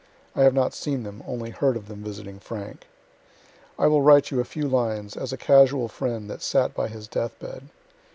(I have not seen them, only heard of them visiting Frank.) I will write you a few lines as a casual friend that sat by his death bed.